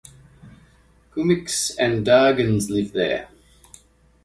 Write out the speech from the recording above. Kumyks and Dargins live there.